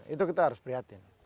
itu kita harus prihatin